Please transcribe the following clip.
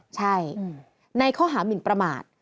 ใช่ในข้อหามินประมาท